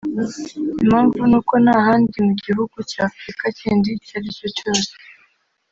Impamvu ni uko nta handi mu gihugu cya Afrika kindi icyo aricyo cyose